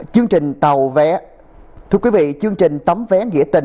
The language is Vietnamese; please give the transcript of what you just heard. chương trình tàu vé thưa quý vị chương trình tấm vé nghĩa tình